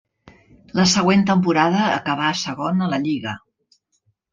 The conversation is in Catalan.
La següent temporada acabà segon a la lliga.